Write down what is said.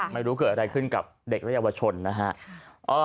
ไม่รู้เกิดอะไรขึ้นกับเด็กและเยาวชนนะฮะ